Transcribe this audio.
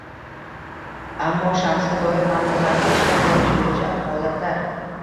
ammo shaxsga doir ma’lumotlarga ishlov berish bo‘yicha holatlar